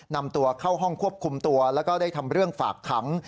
นำตัวเข้าห้องควบคุมตัวแล้วก็ได้ทำเรื่องฝากขัง